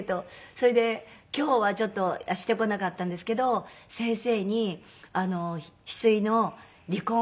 それで今日はちょっとしてこなかったんですけど先生にヒスイの離婚祝い